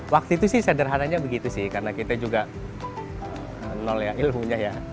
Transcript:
waktu itu sih sederhananya begitu sih karena kita juga nol ya ilmunya ya